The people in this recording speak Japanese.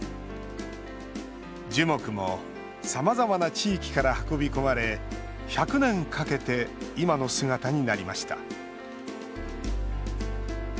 樹木も、さまざまな地域から運び込まれ１００年かけて今の姿になりました。